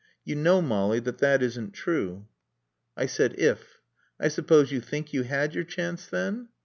"You know, Molly, that that isn't true." "I said if. I suppose you think you had your chance, then?"